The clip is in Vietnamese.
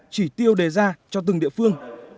chỉ tiêu đề ra cho từng địa phương